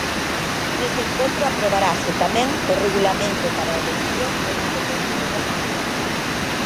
Nese encontro aprobarase tamén o regulamento para a elección do novo Consello das Mareas.